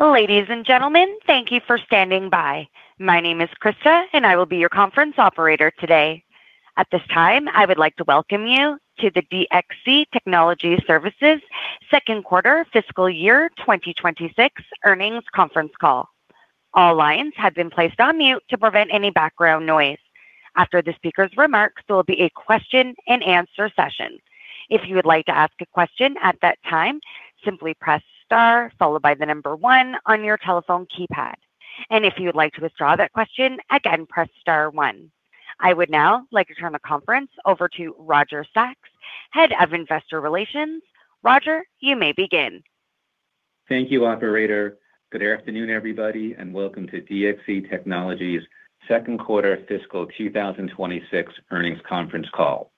Ladies and gentlemen, thank you for standing by. My name is Krista, and I will be your conference operator today. At this time, I would like to welcome you to the DXC Technology Services second quarter fiscal year 2026 earnings conference call. All lines have been placed on mute to prevent any background noise. After the speaker's remarks, there will be a question-and-answer session. If you would like to ask a question at that time, simply press star followed by the number one on your telephone keypad. If you would like to withdraw that question, again, press star one. I would now like to turn the conference over to Roger Sachs, Head of Investor Relations. Roger, you may begin. Thank you, Operator. Good afternoon, everybody, and welcome to DXC Technology's second quarter fiscal 2026 earnings conference call.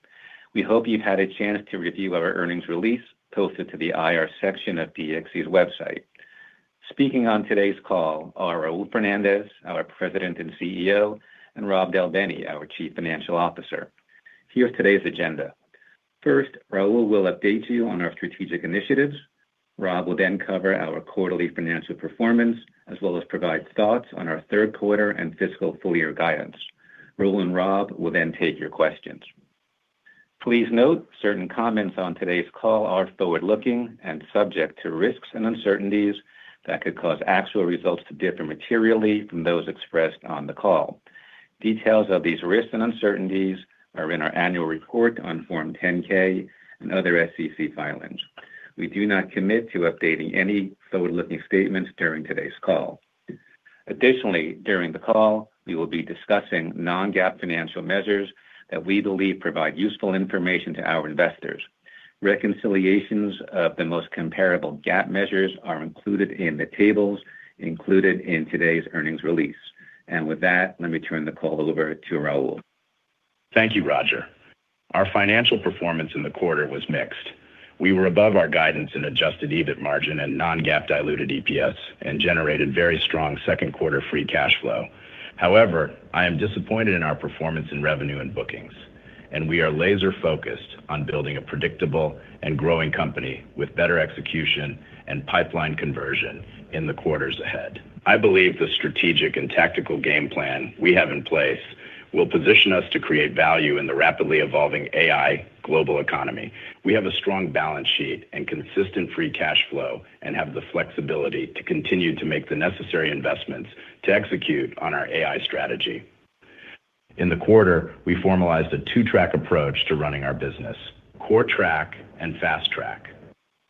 We hope you've had a chance to review our earnings release posted to the IR section of DXC's website. Speaking on today's call are Raul Fernandez, our President and CEO, and Rob Del Bene, our Chief Financial Officer. Here's today's agenda. First, Raul will update you on our strategic initiatives. Rob will then cover our quarterly financial performance as well as provide thoughts on our third quarter and fiscal full-year guidance. Raul and Rob will then take your questions. Please note certain comments on today's call are forward-looking and subject to risks and uncertainties that could cause actual results to differ materially from those expressed on the call. Details of these risks and uncertainties are in our annual report on Form 10-K and other SEC filings. We do not commit to updating any forward-looking statements during today's call. Additionally, during the call, we will be discussing non-GAAP financial measures that we believe provide useful information to our investors. Reconciliations of the most comparable GAAP measures are included in the tables included in today's earnings release. With that, let me turn the call over to Raul. Thank you, Roger. Our financial performance in the quarter was mixed. We were above our guidance in adjusted EBIT margin and non-GAAP diluted EPS and generated very strong second quarter free cash flow. However, I am disappointed in our performance in revenue and bookings, and we are laser-focused on building a predictable and growing company with better execution and pipeline conversion in the quarters ahead. I believe the strategic and tactical game plan we have in place will position us to create value in the rapidly evolving AI global economy. We have a strong balance sheet and consistent free cash flow and have the flexibility to continue to make the necessary investments to execute on our AI strategy. In the quarter, we formalized a two-track approach to running our business: Core Track and Fast Track.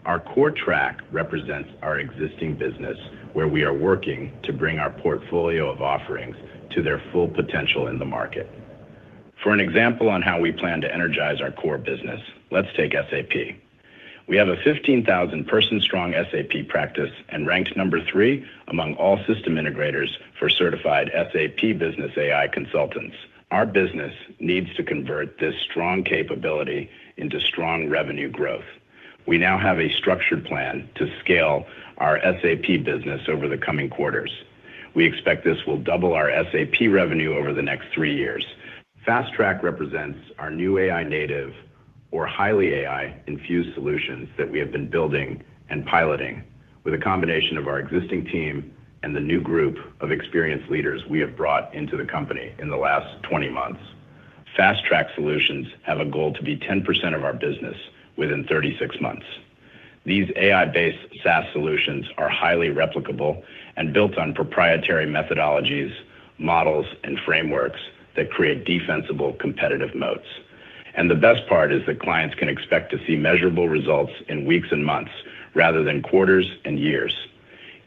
Our Core Track represents our existing business, where we are working to bring our portfolio of offerings to their full potential in the market. For an example on how we plan to energize our core business, let's take SAP. We have a 15,000-person-strong SAP practice and ranked number three among all system integrators for certified SAP Business AI consultants. Our business needs to convert this strong capability into strong revenue growth. We now have a structured plan to scale our SAP business over the coming quarters. We expect this will double our SAP revenue over the next three years. Fast Track represents our new AI-native, or highly AI-infused solutions that we have been building and piloting with a combination of our existing team and the new group of experienced leaders we have brought into the company in the last 20 months. Fast Track solutions have a goal to be 10% of our business within 36 months. These AI-based SaaS solutions are highly replicable and built on proprietary methodologies, models, and frameworks that create defensible competitive moats. The best part is that clients can expect to see measurable results in weeks and months rather than quarters and years.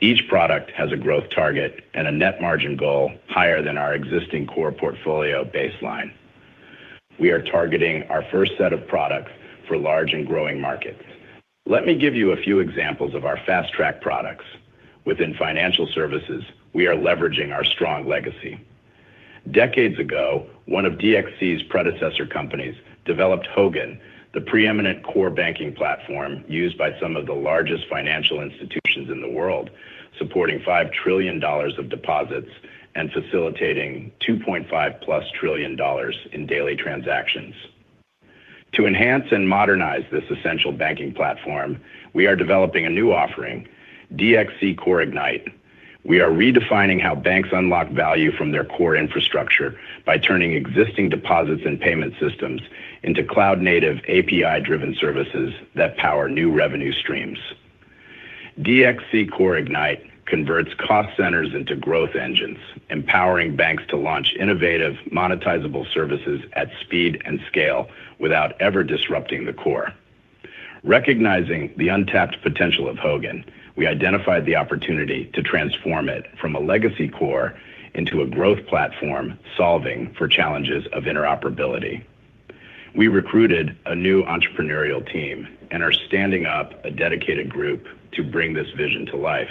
Each product has a growth target and a net margin goal higher than our existing core portfolio baseline. We are targeting our first set of products for large and growing markets. Let me give you a few examples of our Fast Track products. Within financial services, we are leveraging our strong legacy. Decades ago, one of DXC's predecessor companies developed Hogan, the preeminent core banking platform used by some of the largest financial institutions in the world, supporting $5 trillion of deposits and facilitating $2.5+ trillion in daily transactions. To enhance and modernize this essential banking platform, we are developing a new offering, DXC Core Ignite. We are redefining how banks unlock value from their core infrastructure by turning existing deposits and payment systems into cloud-native API-driven services that power new revenue streams. DXC Core Ignite converts cost centers into growth engines, empowering banks to launch innovative, monetizable services at speed and scale without ever disrupting the core. Recognizing the untapped potential of Hogan, we identified the opportunity to transform it from a legacy core into a growth platform solving for challenges of interoperability. We recruited a new entrepreneurial team and are standing up a dedicated group to bring this vision to life.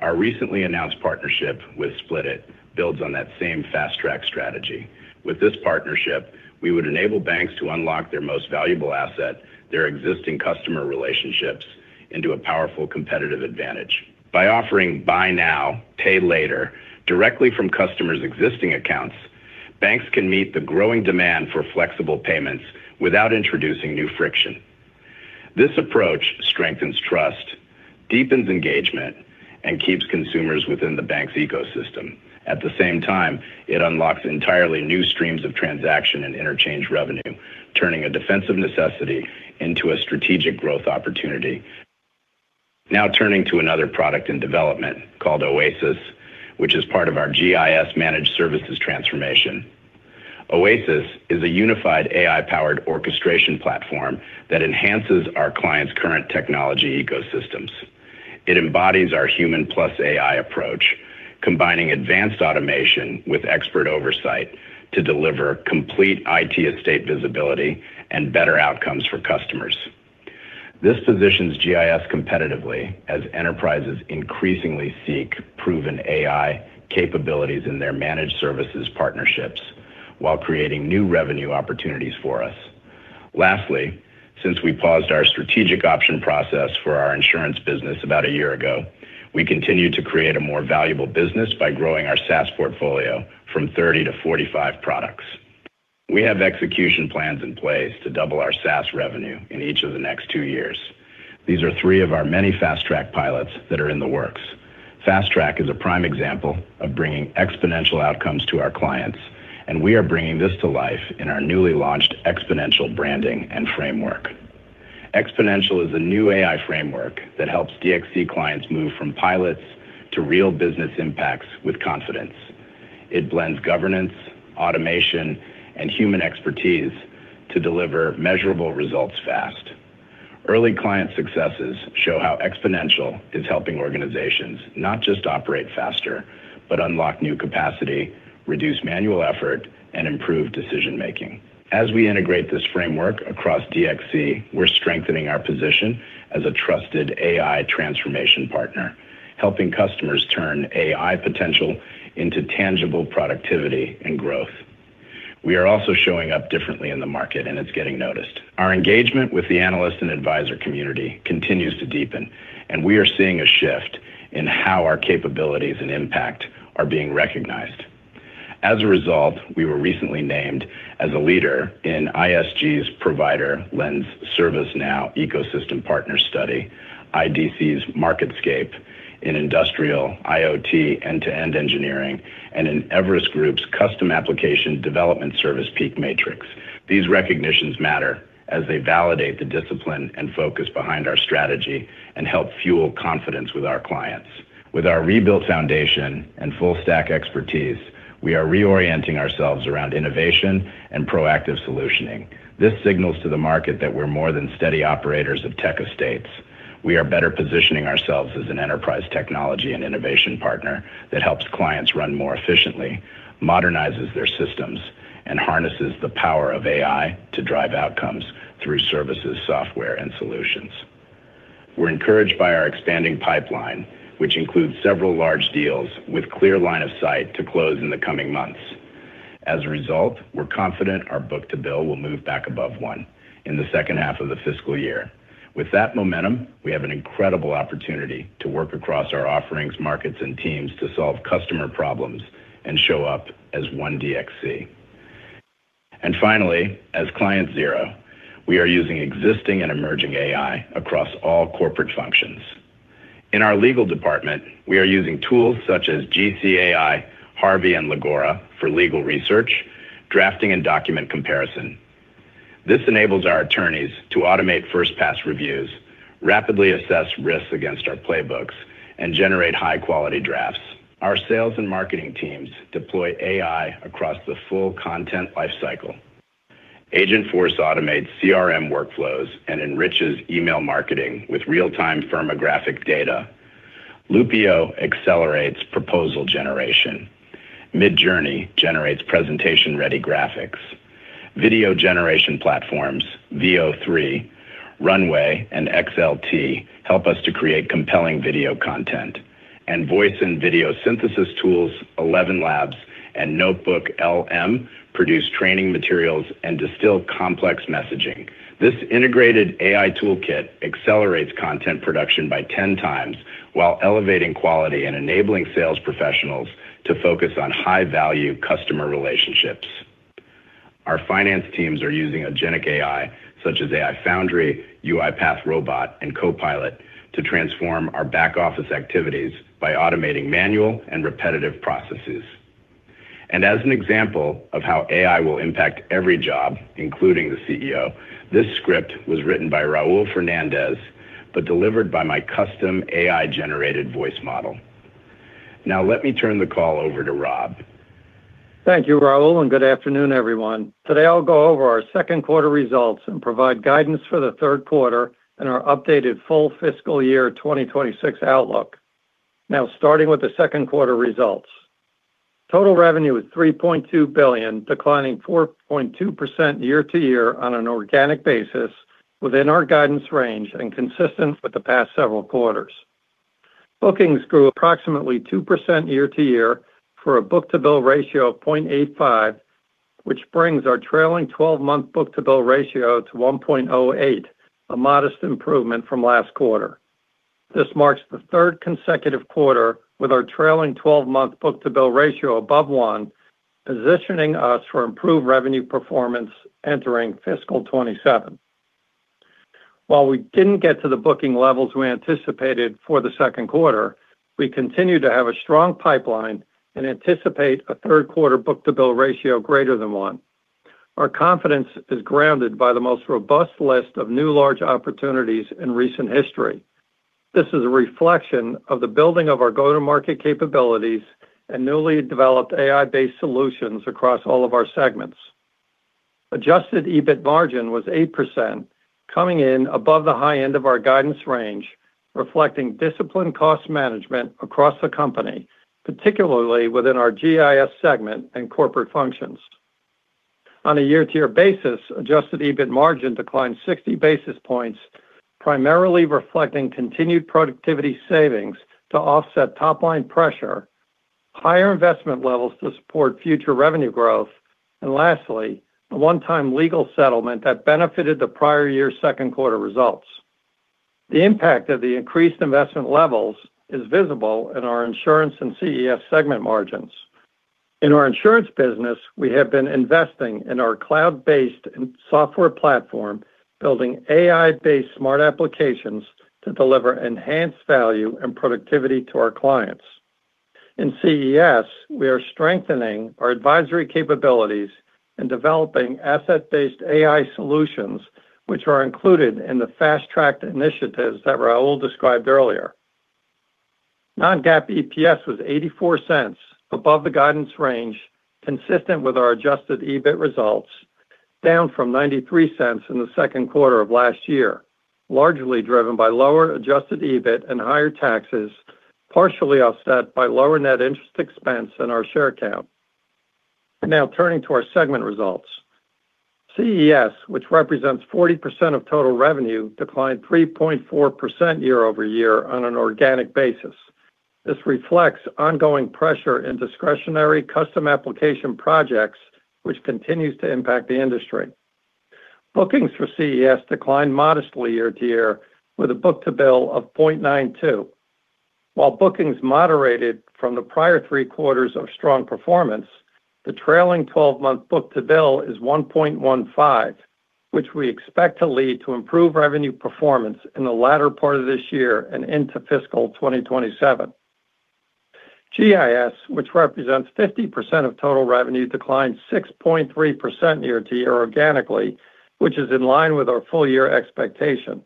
Our recently announced partnership with Splitit builds on that same Fast Track strategy. With this partnership, we would enable banks to unlock their most valuable asset, their existing customer relationships, into a powerful competitive advantage. By offering buy now, pay later directly from customers' existing accounts, banks can meet the growing demand for flexible payments without introducing new friction. This approach strengthens trust, deepens engagement, and keeps consumers within the bank's ecosystem. At the same time, it unlocks entirely new streams of transaction and interchange revenue, turning a defensive necessity into a strategic growth opportunity. Now turning to another product in development called Oasis, which is part of our GIS-managed services transformation. Oasis is a unified AI-powered orchestration platform that enhances our clients' current technology ecosystems. It embodies our human plus AI approach, combining advanced automation with expert oversight to deliver complete IT estate visibility and better outcomes for customers. This positions GIS competitively as enterprises increasingly seek proven AI capabilities in their managed services partnerships while creating new revenue opportunities for us. Lastly, since we paused our strategic option process for our insurance business about a year ago, we continue to create a more valuable business by growing our SaaS portfolio from 30 to 45 products. We have execution plans in place to double our SaaS revenue in each of the next two years. These are three of our many Fast Track pilots that are in the works. Fast Track is a prime example of bringing exponential outcomes to our clients, and we are bringing this to life in our newly launched Xponential branding and framework. Xponential is a new AI framework that helps DXC clients move from pilots to real business impacts with confidence. It blends governance, automation, and human expertise to deliver measurable results fast. Early client successes show how Xponential is helping organizations not just operate faster, but unlock new capacity, reduce manual effort, and improve decision-making. As we integrate this framework across DXC, we're strengthening our position as a trusted AI transformation partner, helping customers turn AI potential into tangible productivity and growth. We are also showing up differently in the market, and it's getting noticed. Our engagement with the analyst and advisor community continues to deepen, and we are seeing a shift in how our capabilities and impact are being recognized. As a result, we were recently named as a leader in ISG's Provider Lens ServiceNow Ecosystem partner study, IDC's MarketScape in industrial IoT end-to-end engineering, and in Everest Group's Custom Application Development Service PEAK Matrix. These recognitions matter as they validate the discipline and focus behind our strategy and help fuel confidence with our clients. With our rebuilt foundation and full-stack expertise, we are reorienting ourselves around innovation and proactive solutioning. This signals to the market that we're more than steady operators of tech estates. We are better positioning ourselves as an enterprise technology and innovation partner that helps clients run more efficiently, modernizes their systems, and harnesses the power of AI to drive outcomes through services, software, and solutions. We're encouraged by our expanding pipeline, which includes several large deals with a clear line of sight to close in the coming months. As a result, we're confident our book-to-bill will move back above one in the second half of the fiscal year. With that momentum, we have an incredible opportunity to work across our offerings, markets, and teams to solve customer problems and show up as one DXC. Finally, as client zero, we are using existing and emerging AI across all corporate functions. In our legal department, we are using tools such as GCAI, Harvey, and Legora for legal research, drafting, and document comparison. This enables our attorneys to automate first-pass reviews, rapidly assess risks against our playbooks, and generate high-quality drafts. Our sales and marketing teams deploy AI across the full content lifecycle. Agentforce automates CRM workflows and enriches email marketing with real-time firmographic data. Loopio accelerates proposal generation. Midjourney generates presentation-ready graphics. Video generation platforms, Veo 3, Runway, and XLT help us to create compelling video content. Voice and video synthesis tools, ElevenLabs and NotebookLM, produce training materials and distill complex messaging. This integrated AI toolkit accelerates content production by 10x while elevating quality and enabling sales professionals to focus on high-value customer relationships. Our finance teams are using Agentic AI such as AI Foundry, UiPath Robot, and Copilot to transform our back-office activities by automating manual and repetitive processes. As an example of how AI will impact every job, including the CEO, this script was written by Raul Fernandez but delivered by my custom AI-generated voice model. Now, let me turn the call over to Rob. Thank you, Raul, and good afternoon, everyone. Today, I'll go over our second quarter results and provide guidance for the third quarter and our updated full fiscal year 2026 outlook. Now, starting with the second quarter results. Total revenue is $3.2 billion, declining 4.2% year to year on an organic basis within our guidance range and consistent with the past several quarters. Bookings grew approximately 2% year to year for a book-to-bill ratio of 0.85, which brings our trailing 12-month book-to-bill ratio to 1.08, a modest improvement from last quarter. This marks the third consecutive quarter with our trailing 12-month book-to-bill ratio above one, positioning us for improved revenue performance entering fiscal 2027. While we didn't get to the booking levels we anticipated for the second quarter, we continue to have a strong pipeline and anticipate a third-quarter book-to-bill ratio greater than one. Our confidence is grounded by the most robust list of new large opportunities in recent history. This is a reflection of the building of our go-to-market capabilities and newly developed AI-based solutions across all of our segments. Adjusted EBIT margin was 8%, coming in above the high end of our guidance range, reflecting disciplined cost management across the company, particularly within our GIS segment and corporate functions. On a year-to-year basis, adjusted EBIT margin declined 60 basis points, primarily reflecting continued productivity savings to offset top-line pressure, higher investment levels to support future revenue growth, and lastly, a one-time legal settlement that benefited the prior year's second-quarter results. The impact of the increased investment levels is visible in our Insurance and CES segment margins. In our insurance business, we have been investing in our cloud-based software platform, building AI-based smart applications to deliver enhanced value and productivity to our clients. In CES, we are strengthening our advisory capabilities and developing asset-based AI solutions, which are included in the Fast Track initiatives that Raul described earlier. Non-GAAP EPS was $0.84 above the guidance range, consistent with our adjusted EBIT results, down from $0.93 in the second quarter of last year, largely driven by lower adjusted EBIT and higher taxes, partially offset by lower net interest expense and our share count. Now, turning to our segment results. CES, which represents 40% of total revenue, declined 3.4% year-over-year on an organic basis. This reflects ongoing pressure in discretionary custom application projects, which continues to impact the industry. Bookings for CES declined modestly year to year, with a book-to-bill of 0.92. While bookings moderated from the prior three quarters of strong performance, the trailing 12-month book-to-bill is 1.15, which we expect to lead to improved revenue performance in the latter part of this year and into fiscal 2027. GIS, which represents 50% of total revenue, declined 6.3% year to year organically, which is in line with our full-year expectation.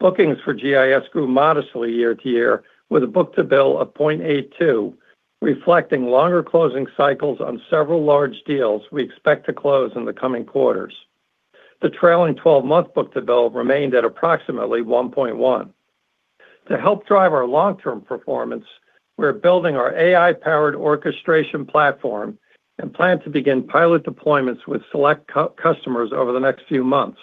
Bookings for GIS grew modestly year to year, with a book-to-bill of 0.82, reflecting longer closing cycles on several large deals we expect to close in the coming quarters. The trailing 12-month book-to-bill remained at approximately 1.1. To help drive our long-term performance, we're building our AI-powered orchestration platform and plan to begin pilot deployments with select customers over the next few months.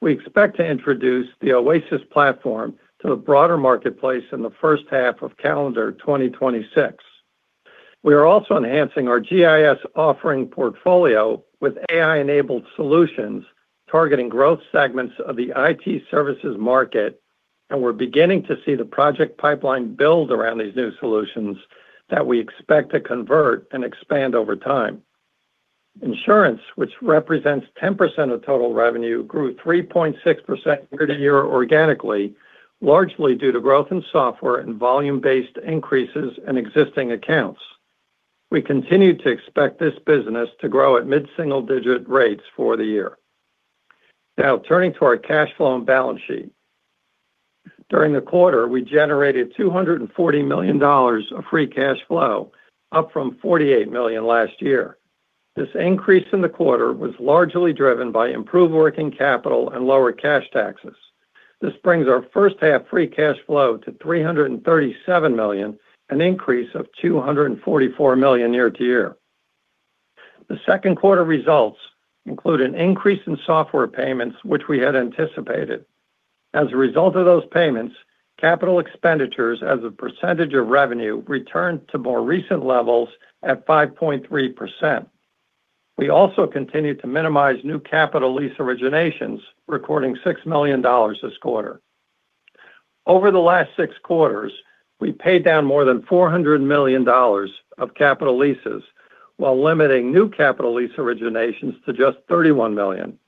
We expect to introduce the Oasis platform to the broader marketplace in the first half of calendar 2026. We are also enhancing our GIS offering portfolio with AI-enabled solutions targeting growth segments of the IT services market, and we're beginning to see the project pipeline build around these new solutions that we expect to convert and expand over time. Insurance, which represents 10% of total revenue, grew 3.6% year to year organically, largely due to growth in software and volume-based increases in existing accounts. We continue to expect this business to grow at mid-single-digit rates for the year. Now, turning to our cash flow and balance sheet. During the quarter, we generated $240 million of free cash flow, up from $48 million last year. This increase in the quarter was largely driven by improved working capital and lower cash taxes. This brings our first-half free cash flow to $337 million, an increase of $244 million year to year. The second quarter results include an increase in software payments, which we had anticipated. As a result of those payments, capital expenditures as a percentage of revenue returned to more recent levels at 5.3%. We also continue to minimize new capital lease originations, recording $6 million this quarter. Over the last six quarters, we paid down more than $400 million of capital leases while limiting new capital lease originations to just $31 million.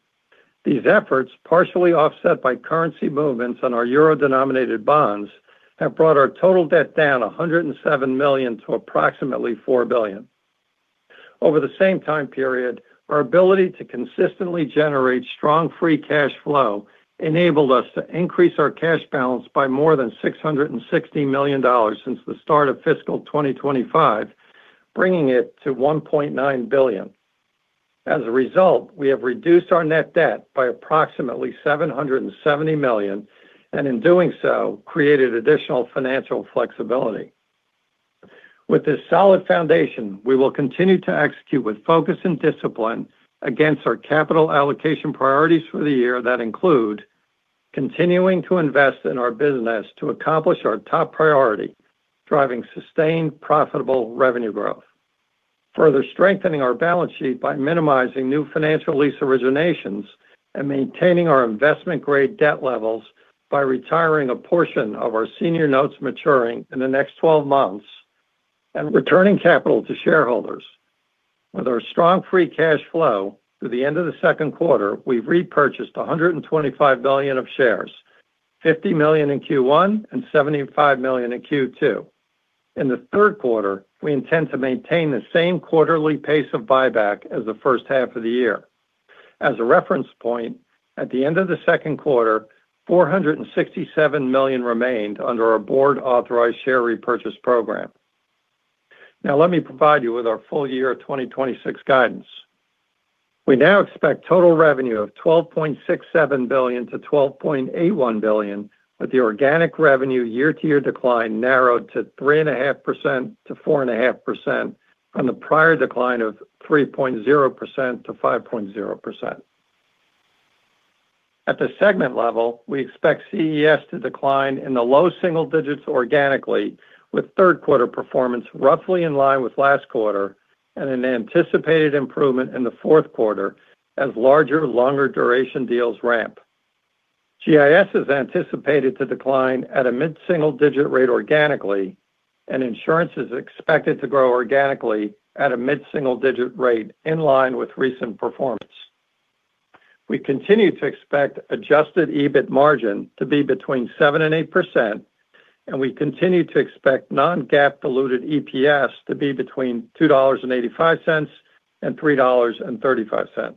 These efforts, partially offset by currency movements on our euro-denominated bonds, have brought our total debt down $107 million to approximately $4 billion. Over the same time period, our ability to consistently generate strong free cash flow enabled us to increase our cash balance by more than $660 million since the start of fiscal 2025, bringing it to $1.9 billion. As a result, we have reduced our net debt by approximately $770 million and, in doing so, created additional financial flexibility. With this solid foundation, we will continue to execute with focus and discipline against our capital allocation priorities for the year that include continuing to invest in our business to accomplish our top priority, driving sustained, profitable revenue growth. Further strengthening our balance sheet by minimizing new financial lease originations and maintaining our investment-grade debt levels by retiring a portion of our senior notes maturing in the next 12 months and returning capital to shareholders. With our strong free cash flow through the end of the second quarter, we've repurchased $125 billion of shares, $50 million in Q1 and $75 million in Q2. In the third quarter, we intend to maintain the same quarterly pace of buyback as the first half of the year. As a reference point, at the end of the second quarter, $467 million remained under our board-authorized share repurchase program. Now, let me provide you with our full year 2026 guidance. We now expect total revenue of $12.67 billion-$12.81 billion, with the organic revenue year-to-year decline narrowed to 3.5%-4.5% from the prior decline of 3.0%-5.0%. At the segment level, we expect CES to decline in the low single digits organically, with third-quarter performance roughly in line with last quarter and an anticipated improvement in the fourth quarter as larger, longer-duration deals ramp. GIS is anticipated to decline at a mid-single-digit rate organically, and Insurance is expected to grow organically at a mid-single-digit rate in line with recent performance. We continue to expect adjusted EBIT margin to be between 7% and 8%, and we continue to expect non-GAAP diluted EPS to be between $2.85 and $3.35.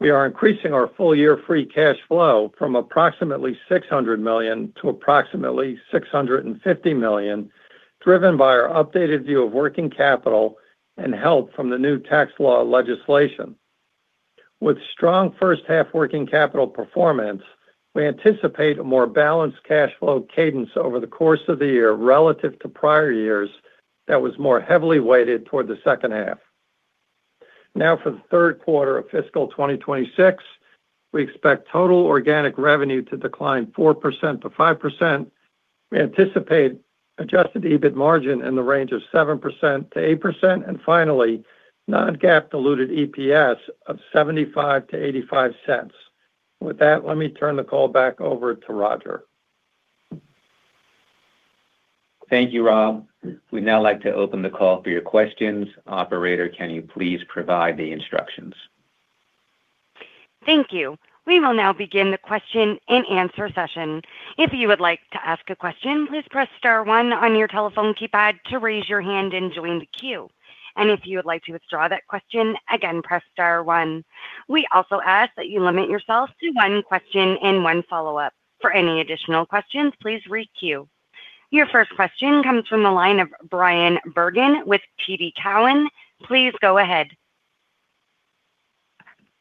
We are increasing our full-year free cash flow from approximately $600 million to approximately $650 million, driven by our updated view of working capital and help from the new tax law legislation. With strong first-half working capital performance, we anticipate a more balanced cash flow cadence over the course of the year relative to prior years that was more heavily weighted toward the second half. Now, for the third quarter of fiscal 2026, we expect total organic revenue to decline 4%-5%. We anticipate adjusted EBIT margin in the range of 7%-8%, and finally, non-GAAP diluted EPS of $0.75-$0.85. With that, let me turn the call back over to Roger. Thank you, Rob. We'd now like to open the call for your questions. Operator, can you please provide the instructions? Thank you. We will now begin the question and answer session. If you would like to ask a question, please press star one on your telephone keypad to raise your hand and join the queue. If you would like to withdraw that question, again, press star one. We also ask that you limit yourself to one question and one follow-up. For any additional questions, please re-queue. Your first question comes from the line of Bryan Bergin with TD Cowen. Please go ahead.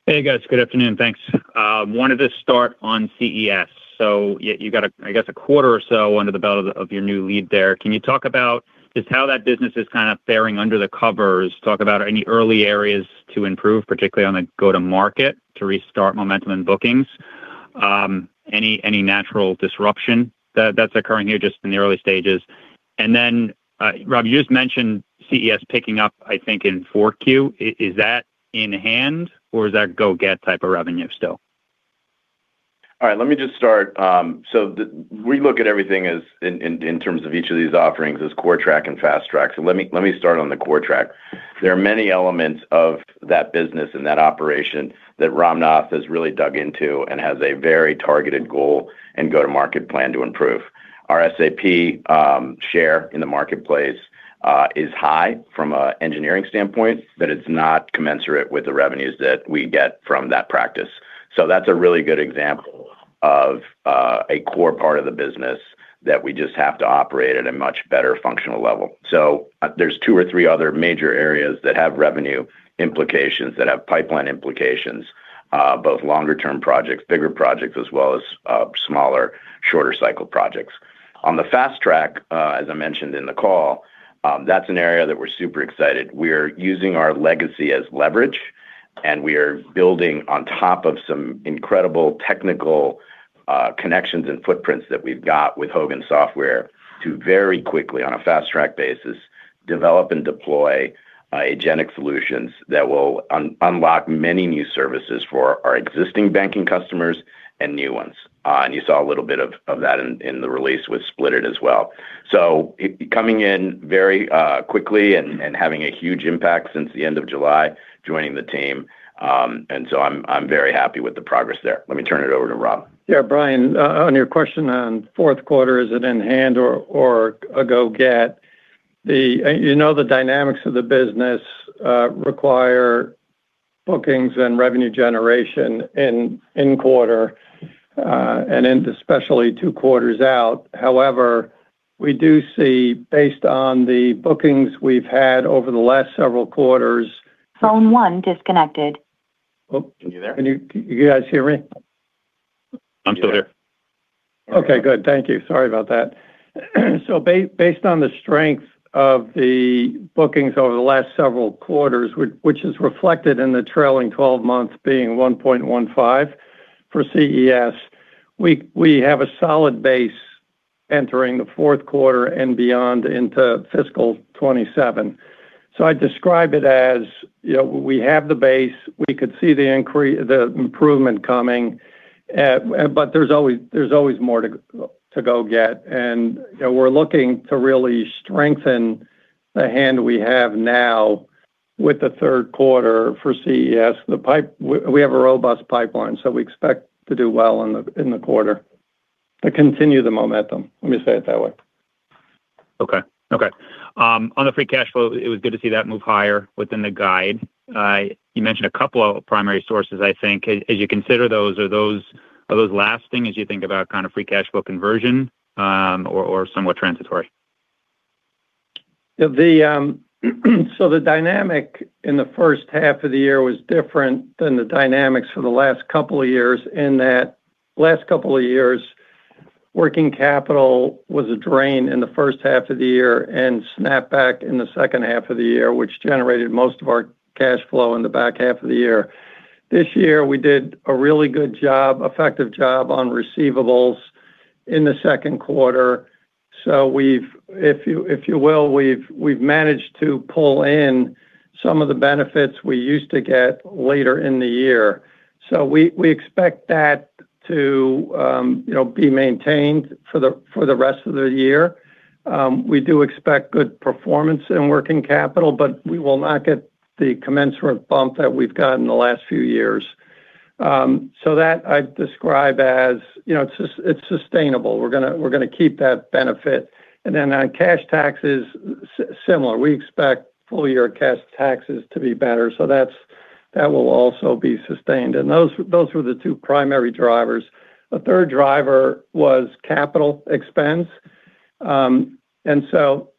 Hey, guys. Good afternoon. Thanks. Wanted to start on CES. You've got, I guess, a quarter or so under the belt of your new lead there. Can you talk about just how that business is kind of faring under the covers? Talk about any early areas to improve, particularly on the go-to-market to restart momentum in bookings. Any natural disruption that's occurring here just in the early stages? Rob, you just mentioned CES picking up, I think, in 4Q. Is that in hand, or is that go-get type of revenue still? All right. Let me just start. We look at everything in terms of each of these offerings as Core Track and Fast Track. Let me start on the Core Track. There are many elements of that business and that operation that Ramnath has really dug into and has a very targeted goal and go-to-market plan to improve. Our SAP share in the marketplace is high from an engineering standpoint, but it's not commensurate with the revenues that we get from that practice. That's a really good example of a core part of the business that we just have to operate at a much better functional level. There are two or three other major areas that have revenue implications, that have pipeline implications, both longer-term projects, bigger projects, as well as smaller, shorter-cycle projects. On the Fast Track, as I mentioned in the call, that's an area that we're super excited about. We are using our legacy as leverage, and we are building on top of some incredible technical connections and footprints that we've got with Hogan core banking platform to very quickly, on a Fast Track basis, develop and deploy agentic solutions that will unlock many new services for our existing banking customers and new ones. You saw a little bit of that in the release with Split It as well. Coming in very quickly and having a huge impact since the end of July, joining the team. I'm very happy with the progress there. Let me turn it over to Rob. Yeah, Bryan, on your question on fourth quarter, is it in hand or a go-get? You know the dynamics of the business require bookings and revenue generation in quarter, and especially two quarters out. However, we do see, based on the bookings we've had over the last several quarters. Phone 1 disconnected. Oh, can you hear me? Can you guys hear me? I'm still here. Okay, good. Thank you. Sorry about that. Based on the strength of the bookings over the last several quarters, which is reflected in the trailing 12 months being 1.15 for CES, we have a solid base entering the fourth quarter and beyond into fiscal 2027. I'd describe it as we have the base, we could see the improvement coming, but there's always more to go-get. We're looking to really strengthen the hand we have now. With the third quarter for CES, we have a robust pipeline, so we expect to do well in the quarter to continue the momentum. Let me say it that way. Okay. On the free cash flow, it was good to see that move higher within the guide. You mentioned a couple of primary sources, I think. As you consider those, are those lasting as you think about kind of free cash flow conversion, or somewhat transitory? The dynamic in the first half of the year was different than the dynamics for the last couple of years in that the last couple of years, working capital was a drain in the first half of the year and snapped back in the second half of the year, which generated most of our cash flow in the back half of the year. This year, we did a really good job, effective job on receivables in the second quarter. We've managed to pull in some of the benefits we used to get later in the year. We expect that to be maintained for the rest of the year. We do expect good performance in working capital, but we will not get the commensurate bump that we've gotten in the last few years. That I'd describe as it's sustainable. We're going to keep that benefit. On cash taxes, similar. We expect full-year cash taxes to be better. That will also be sustained. Those were the two primary drivers. The third driver was capital expense.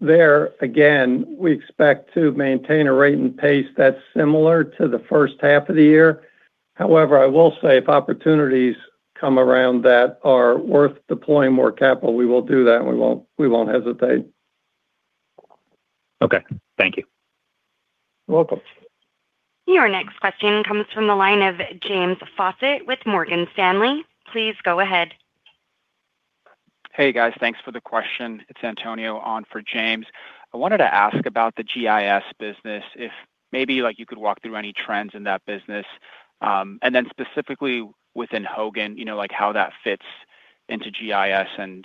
There, again, we expect to maintain a rate and pace that's similar to the first half of the year. However, I will say if opportunities come around that are worth deploying more capital, we will do that, and we won't hesitate. Okay, thank you. You're welcome. Your next question comes from the line of James Faucette with Morgan Stanley. Please go ahead. Hey, guys. Thanks for the question. It's Antonio on for James. I wanted to ask about the GIS business, if maybe you could walk through any trends in that business. Specifically within Hogan, how that fits into GIS and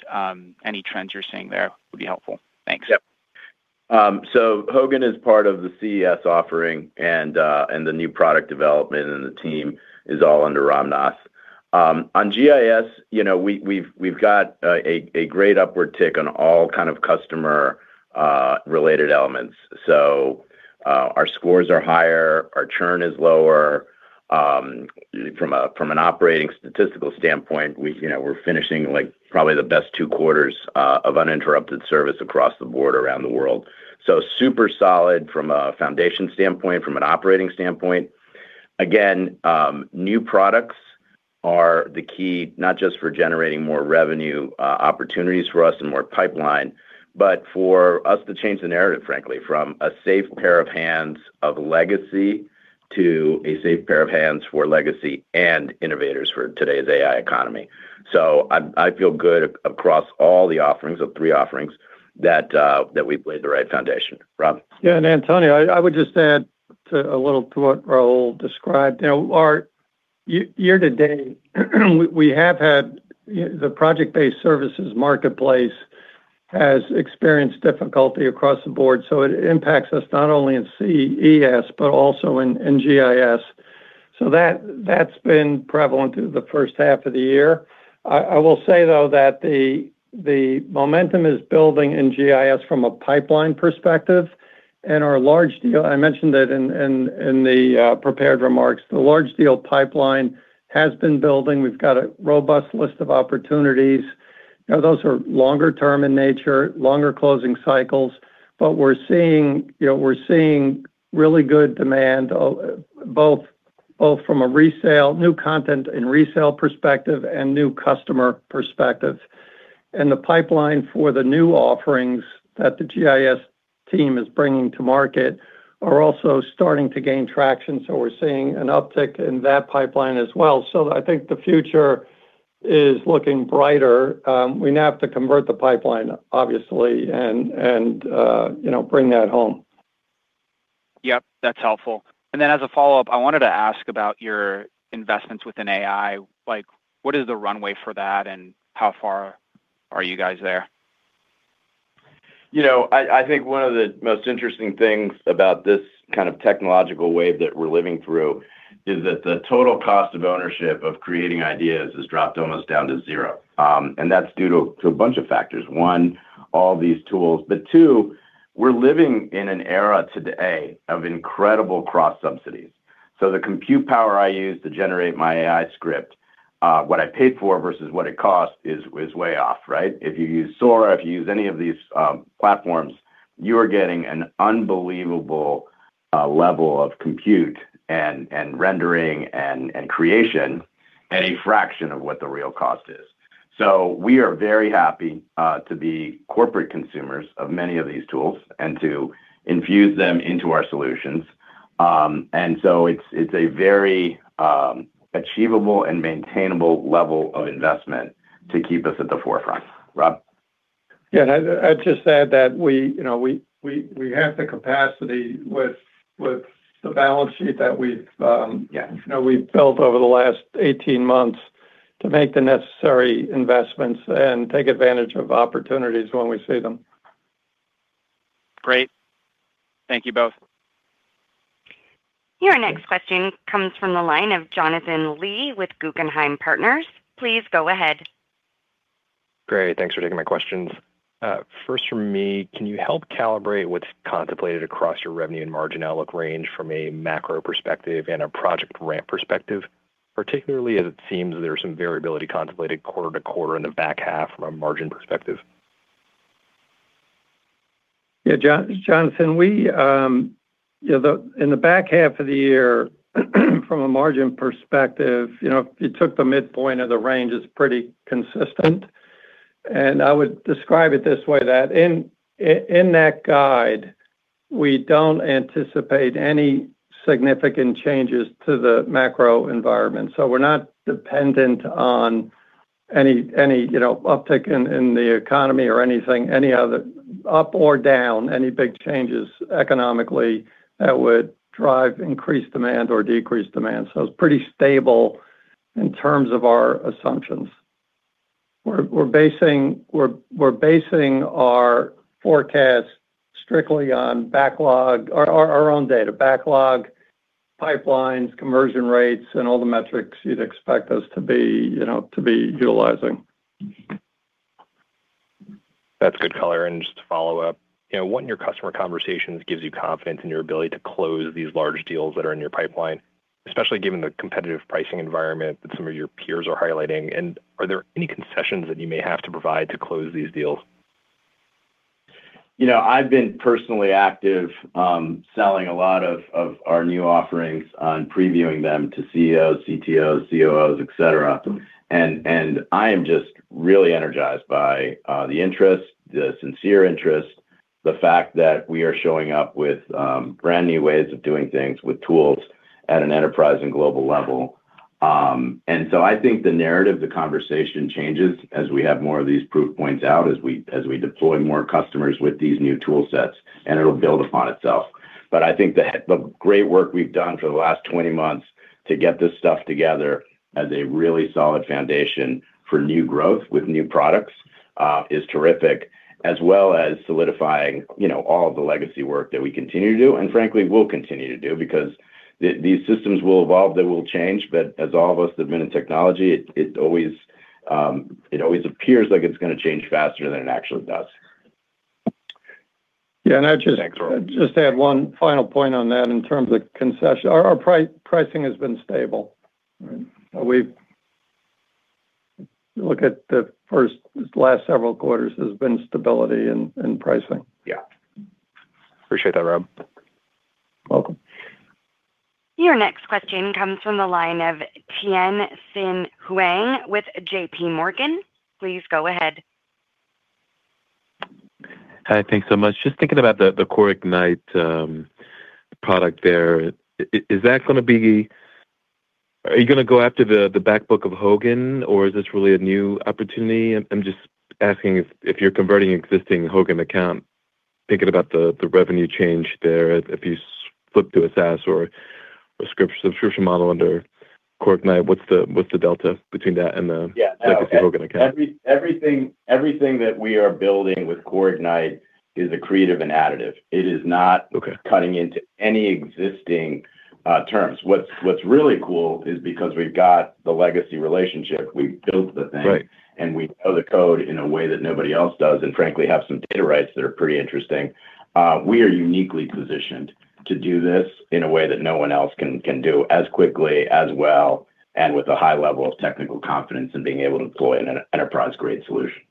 any trends you're seeing there would be helpful. Thanks. Yep. Hogan is part of the CES offering, and the new product development and the team is all under Ramnath. On GIS, we've got a great upward tick on all kinds of customer-related elements. Our scores are higher, our churn is lower. From an operating statistical standpoint, we're finishing probably the best two quarters of uninterrupted service across the board around the world. Super solid from a foundation standpoint, from an operating standpoint. New products are the key, not just for generating more revenue opportunities for us and more pipeline, but for us to change the narrative, frankly, from a safe pair of hands of legacy to a safe pair of hands for legacy and innovators for today's AI economy. I feel good across all the offerings, the three offerings, that we've laid the right foundation. Rob? Yeah. Antonio, I would just add a little to what Raul described. Year-to-date, we have had the project-based services marketplace experience difficulty across the board. It impacts us not only in CES, but also in GIS. That has been prevalent through the first half of the year. I will say, though, that momentum is building in GIS from a pipeline perspective. Our large deal—I mentioned that in the prepared remarks—the large deal pipeline has been building. We've got a robust list of opportunities. Those are longer-term in nature, with longer closing cycles. We're seeing really good demand, both from a new content and resale perspective and new customer perspective. The pipeline for the new offerings that the GIS team is bringing to market is also starting to gain traction. We're seeing an uptick in that pipeline as well. I think the future is looking brighter. We now have to convert the pipeline, obviously, and bring that home. That's helpful. As a follow-up, I wanted to ask about your investments within AI. What is the runway for that, and how far are you guys there? I think one of the most interesting things about this kind of technological wave that we're living through is that the total cost of ownership of creating ideas has dropped almost down to zero. That's due to a bunch of factors. One, all these tools. Two, we're living in an era today of incredible cross-subsidies. The compute power I use to generate my AI script, what I paid for versus what it cost is way off, right? If you use Sora, if you use any of these platforms, you are getting an unbelievable level of compute and rendering and creation at a fraction of what the real cost is. We are very happy to be corporate consumers of many of these tools and to infuse them into our solutions. It's a very achievable and maintainable level of investment to keep us at the forefront. Rob? Yeah. I'd just add that we have the capacity with the balance sheet that we've built over the last 18 months to make the necessary investments and take advantage of opportunities when we see them. Great. Thank you both. Your next question comes from the line of Jonathan Lee with Guggenheim Partners. Please go ahead. Great. Thanks for taking my questions. First, for me, can you help calibrate what's contemplated across your revenue and margin outlook range from a macro perspective and a project ramp perspective, particularly as it seems there's some variability contemplated quarter to quarter in the back half from a margin perspective? Yeah, Jonathan. In the back half of the year, from a margin perspective, if you took the midpoint of the range, it's pretty consistent. I would describe it this way. In that guide, we don't anticipate any significant changes to the macro environment. We're not dependent on any uptick in the economy or anything, any other up or down, any big changes economically that would drive increased demand or decreased demand. It's pretty stable in terms of our assumptions. We're basing our forecast strictly on our own data, backlog, pipelines, conversion rates, and all the metrics you'd expect us to be utilizing. That's good color. Just to follow up, what in your customer conversations gives you confidence in your ability to close these large deals that are in your pipeline, especially given the competitive pricing environment that some of your peers are highlighting? Are there any concessions that you may have to provide to close these deals? I've been personally active selling a lot of our new offerings or previewing them to CEOs, CTOs, COOs, etc. I am just really energized by the interest, the sincere interest, the fact that we are showing up with brand new ways of doing things with tools at an enterprise and global level. I think the narrative, the conversation changes as we have more of these proof points out, as we deploy more customers with these new tool sets, and it'll build upon itself. I think the great work we've done for the last 20 months to get this stuff together as a really solid foundation for new growth with new products is terrific, as well as solidifying all of the legacy work that we continue to do and, frankly, will continue to do because these systems will evolve. They will change. As all of us that have been in technology know, it always appears like it's going to change faster than it actually does. I'd just add one final point on that in terms of concession. Our pricing has been stable. Look at the last several quarters. There's been stability in pricing. Yeah, appreciate that, Rob. Welcome. Your next question comes from the line of Tien-Tsin Huang with JPMorgan. Please go ahead. Hi, thanks so much. Just thinking about the Core Ignite product there. Is that going to be, are you going to go after the backbook of Hogan, or is this really a new opportunity? I'm just asking if you're converting an existing Hogan account, thinking about the revenue change there if you flip to a SaaS or a subscription model under Core Ignite, what's the delta between that and the legacy Hogan account? Everything that we are building with Core Ignite is creative and additive. It is not cutting into any existing terms. What's really cool is because we've got the legacy relationship, we built the thing, and we know the code in a way that nobody else does, and frankly, have some data rights that are pretty interesting. We are uniquely positioned to do this in a way that no one else can do as quickly, as well, and with a high level of technical confidence in being able to deploy an enterprise-grade solution.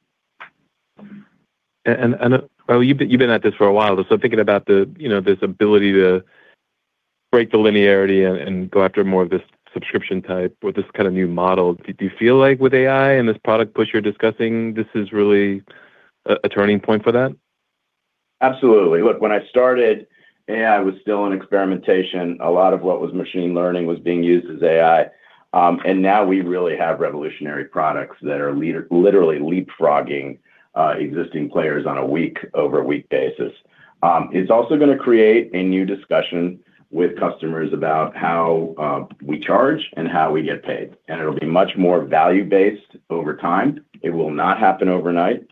You've been at this for a while. Thinking about this ability to break the linearity and go after more of this subscription type or this kind of new model, do you feel like with AI and this product push you're discussing, this is really a turning point for that? Absolutely. Look, when I started, AI was still in experimentation. A lot of what was machine learning was being used as AI. Now we really have revolutionary products that are literally leapfrogging existing players on a week-over-week basis. It's also going to create a new discussion with customers about how we charge and how we get paid. It'll be much more value-based over time. It will not happen overnight,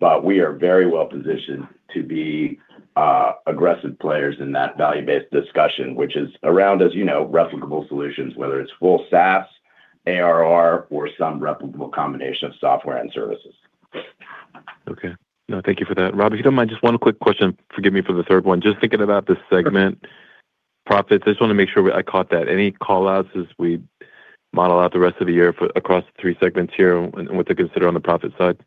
but we are very well positioned to be aggressive players in that value-based discussion, which is around replicable solutions, whether it's full SaaS, ARR, or some replicable combination of software and services. Okay. No, thank you for that. Rob, if you don't mind, just one quick question. Forgive me for the third one. Just thinking about this segment. Profits, I just want to make sure I caught that. Any callouts as we model out the rest of the year across the three segments here and what to consider on the profit side?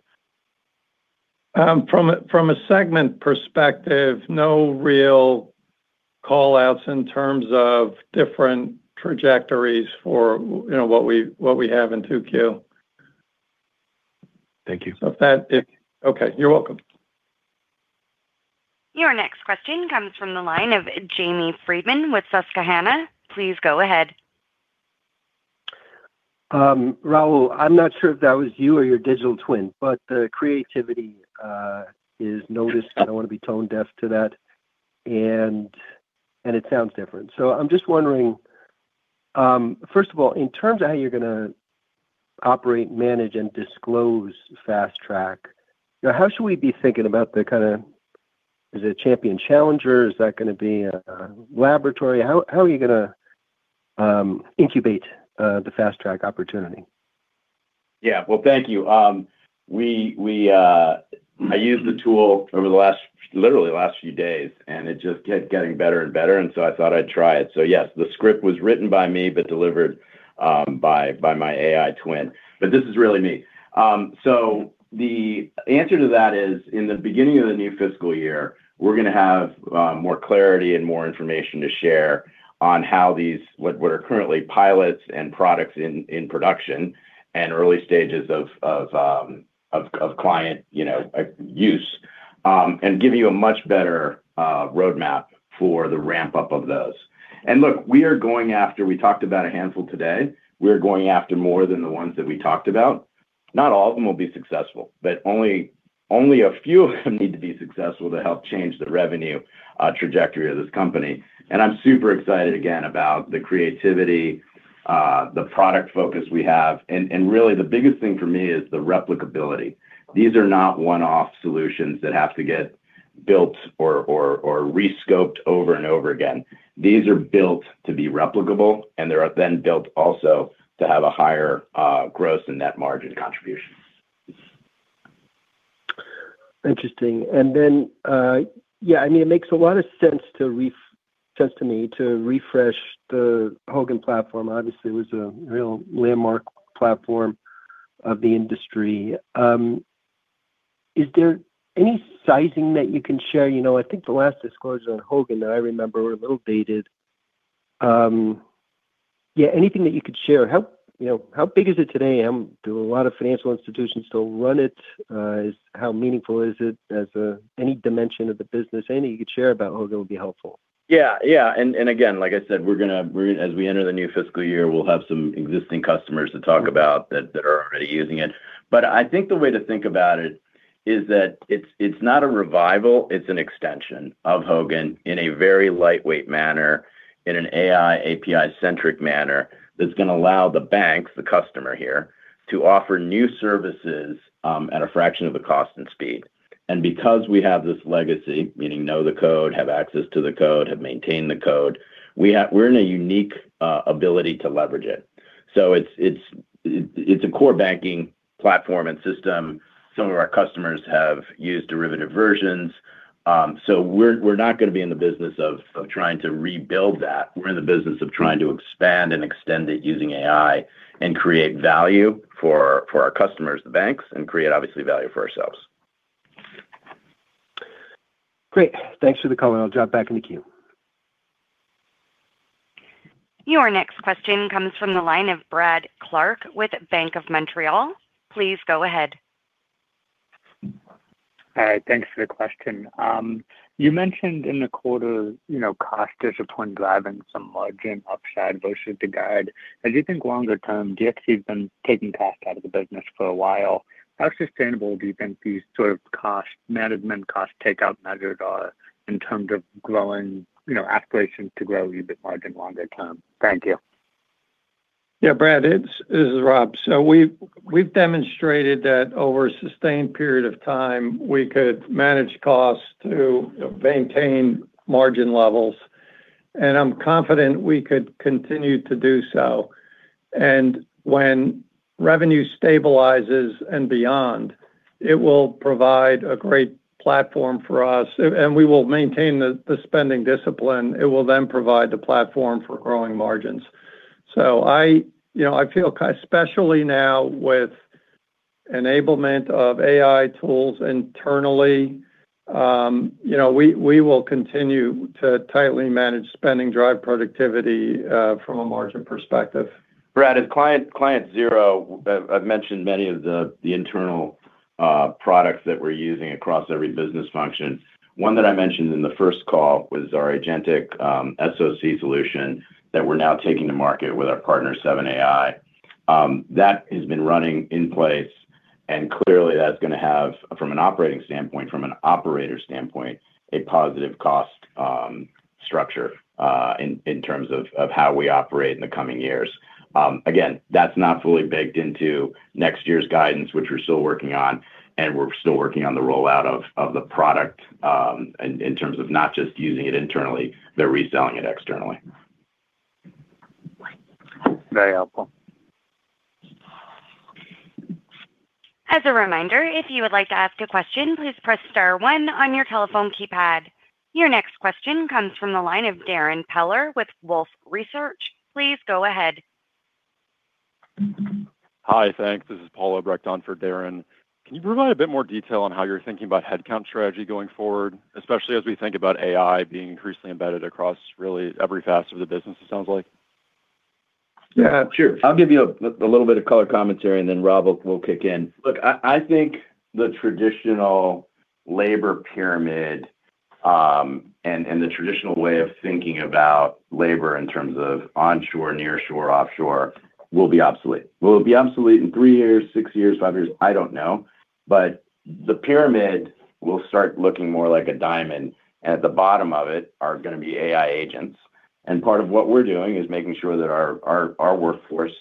From a segment perspective, no real callouts in terms of different trajectories for what we have in 2Q. Thank you. Okay, you're welcome. Your next question comes from the line of Jamie Friedman with Susquehanna. Please go ahead. Raul, I'm not sure if that was you or your digital twin, but the creativity is noticed. I don't want to be tone-deaf to that. It sounds different. I'm just wondering, first of all, in terms of how you're going to operate, manage, and disclose Fast Track, how should we be thinking about the kind of—is it a champion challenger? Is that going to be a laboratory? How are you going to incubate the Fast Track opportunity? Thank you. I used the tool over the last, literally the last few days, and it just kept getting better and better. I thought I'd try it. Yes, the script was written by me but delivered by my AI twin. This is really me. The answer to that is, in the beginning of the new fiscal year, we're going to have more clarity and more information to share on what are currently pilots and products in production and early stages of client use and give you a much better roadmap for the ramp-up of those. We are going after—we talked about a handful today. We're going after more than the ones that we talked about. Not all of them will be successful, but only a few of them need to be successful to help change the revenue trajectory of this company. I'm super excited again about the creativity, the product focus we have. Really, the biggest thing for me is the replicability. These are not one-off solutions that have to get built or re-scoped over and over again. These are built to be replicable, and they're then built also to have a higher gross and net margin contribution. Interesting. Yeah, I mean, it makes a lot of sense to refresh the Hogan platform. Obviously, it was a real landmark platform of the industry. Is there any sizing that you can share? I think the last disclosure on Hogan that I remember was a little dated. Yeah, anything that you could share? How big is it today? Do a lot of financial institutions still run it? How meaningful is it? Any dimension of the business, anything you could share about Hogan would be helpful. Yeah. And again, like I said, as we enter the new fiscal year, we'll have some existing customers to talk about that are already using it. I think the way to think about it is that it's not a revival. It's an extension of Hogan in a very lightweight manner, in an AI API-centric manner that's going to allow the banks, the customer here, to offer new services at a fraction of the cost and speed. Because we have this legacy, meaning know the code, have access to the code, have maintained the code, we're in a unique ability to leverage it. It's a core banking platform and system. Some of our customers have used derivative versions. We're not going to be in the business of trying to rebuild that. We're in the business of trying to expand and extend it using AI and create value for our customers, the banks, and create, obviously, value for ourselves. Great. Thanks for the call. I'll drop back in the queue. Your next question comes from the line of Brad Clark with Bank of Montreal. Please go ahead. Hi. Thanks for the question. You mentioned in the quarter cost discipline driving some margin upside versus the guide. As you think longer term, do you see them taking cost out of the business for a while? How sustainable do you think these sort of cost management, cost takeout measures are in terms of growing aspirations to grow even margin longer term? Thank you. Yeah, Brad, this is Rob. We've demonstrated that over a sustained period of time, we could manage costs to maintain margin levels. I'm confident we could continue to do so. When revenue stabilizes and beyond, it will provide a great platform for us. We will maintain the spending discipline. It will then provide the platform for growing margins. I feel especially now with enablement of AI tools internally, we will continue to tightly manage spending and drive productivity from a margin perspective. Brad, at client zero, I've mentioned many of the internal products that we're using across every business function. One that I mentioned in the first call was our agentic SOC solution that we're now taking to market with our partner, 7AI. That has been running in place, and clearly, that's going to have, from an operating standpoint, from an operator standpoint, a positive cost structure in terms of how we operate in the coming years. Again, that's not fully baked into next year's guidance, which we're still working on, and we're still working on the rollout of the product in terms of not just using it internally, they're reselling it externally. Very helpful. As a reminder, if you would like to ask a question, please press star one on your telephone keypad. Your next question comes from the line of Darren Peller with Wolfe Research. Please go ahead. Hi, thanks. This is Paul Obrecht on for Darren. Can you provide a bit more detail on how you're thinking about headcount strategy going forward, especially as we think about AI being increasingly embedded across really every facet of the business, it sounds like? Yeah, sure. I'll give you a little bit of color commentary, and then Rob will kick in. Look, I think the traditional labor pyramid and the traditional way of thinking about labor in terms of onshore, nearshore, offshore will be obsolete. Will it be obsolete in three years, six years, five years? I don't know. The pyramid will start looking more like a diamond. At the bottom of it are going to be AI agents. Part of what we're doing is making sure that our workforce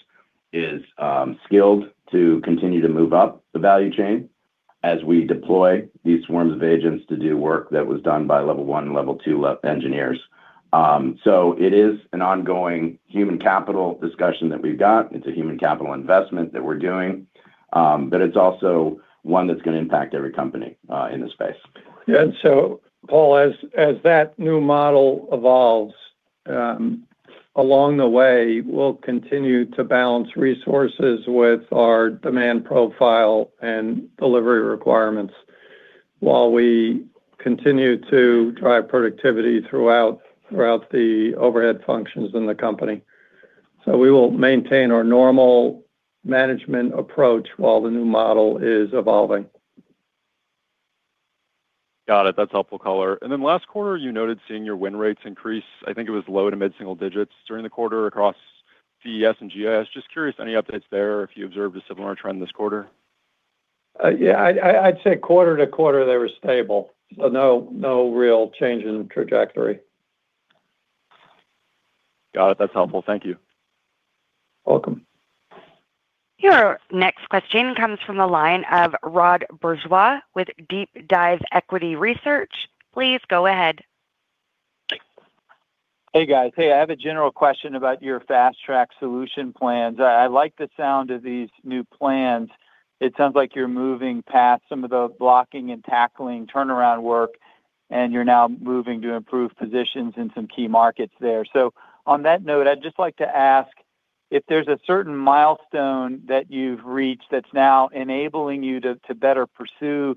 is skilled to continue to move up the value chain as we deploy these swarms of agents to do work that was done by level one and level two engineers. It is an ongoing human capital discussion that we've got. It's a human capital investment that we're doing. It's also one that's going to impact every company in this space. Paul, as that new model evolves, along the way we'll continue to balance resources with our demand profile and delivery requirements while we continue to drive productivity throughout the overhead functions in the company. We will maintain our normal management approach while the new model is evolving. Got it. That's helpful color. Last quarter, you noted seeing your win rates increase. I think it was low to mid-single digits during the quarter across CES and GIS. Just curious any updates there if you observed a similar trend this quarter? I'd say quarter to quarter, they were stable. No real change in trajectory. Got it. That's helpful. Thank you. Welcome. Your next question comes from the line of Rod Bourgeois with DeepDive Equity Research. Please go ahead. Hey, guys. I have a general question about your Fast Track solution plans. I like the sound of these new plans. It sounds like you're moving past some of the blocking and tackling turnaround work, and you're now moving to improve positions in some key markets there. On that note, I'd just like to ask if there's a certain milestone that you've reached that's now enabling you to better pursue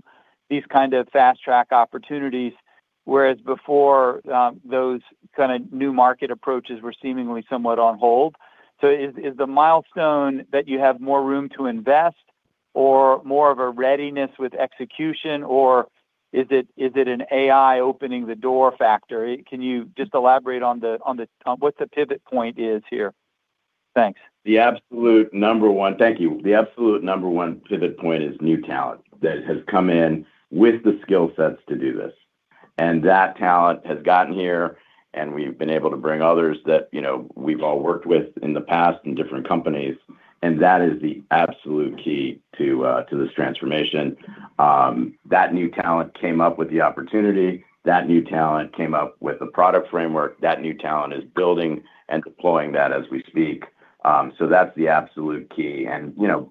these kinds of Fast Track opportunities, whereas before those kind of new market approaches were seemingly somewhat on hold. Is the milestone that you have more room to invest or more of a readiness with execution, or is it an AI opening the door factor? Can you just elaborate on what the pivot point is here? Thanks. Thank you. The absolute number one pivot point is new talent that has come in with the skill sets to do this. That talent has gotten here, and we've been able to bring others that we've all worked with in the past in different companies. That is the absolute key to this transformation. That new talent came up with the opportunity. That new talent came up with a product framework. That new talent is building and deploying that as we speak. That's the absolute key.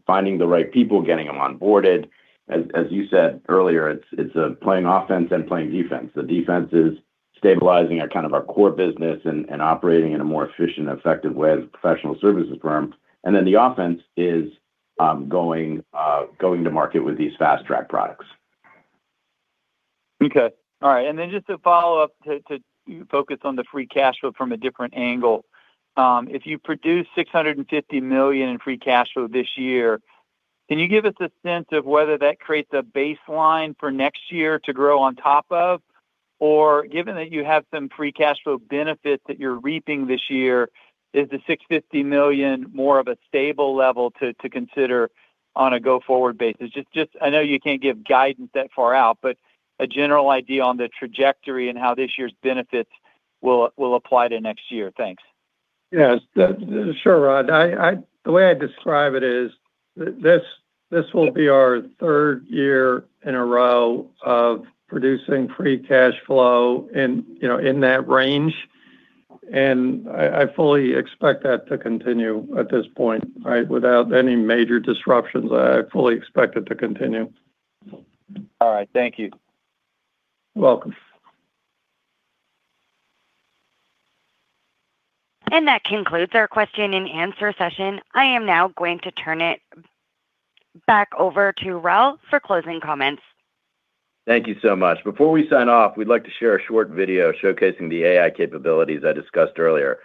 Finding the right people, getting them onboarded, as you said earlier, it's playing offense and playing defense. The defense is stabilizing kind of our core business and operating in a more efficient and effective way as a professional services firm. The offense is going to market with these fast track products. Okay. All right. Just to follow up, to focus on the free cash flow from a different angle, if you produce $650 million in free cash flow this year, can you give us a sense of whether that creates a baseline for next year to grow on top of? Given that you have some free cash flow benefits that you're reaping this year, is the $650 million more of a stable level to consider on a go-forward basis? I know you can't give guidance that far out, but a general idea on the trajectory and how this year's benefits will apply to next year. Thanks. Yeah. Sure, Rod. The way I describe it is this will be our third year in a row of producing free cash flow in that range. I fully expect that to continue at this point, right, without any major disruptions. I fully expect it to continue. All right. Thank you. You're welcome. That concludes our question and answer session. I am now going to turn it back over to Raul for closing comments. Thank you so much. Before we sign off, we'd like to share a short video showcasing the AI capabilities I discussed earlier.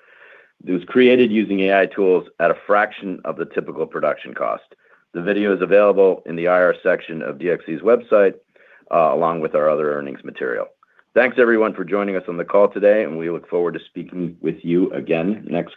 It was created using AI tools at a fraction of the typical production cost. The video is available in the IR section of DXC Technology's website, along with our other earnings material. Thanks, everyone, for joining us on the call today. We look forward to speaking with you again next.